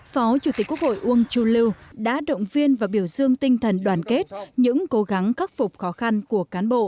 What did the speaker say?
phó chủ tịch quốc hội uông chu lưu đã động viên và biểu dương tinh thần đoàn kết những cố gắng khắc phục khó khăn của cán bộ